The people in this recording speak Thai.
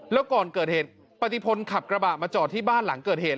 แล้วก่อนเกิดเหตุปฏิพลขับกระบะมาจอดที่บ้านหลังเกิดเหตุ